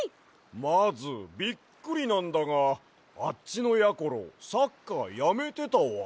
まずびっくりなんだがあっちのやころサッカーやめてたわ。